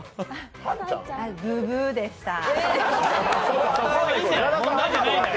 ブブーでした。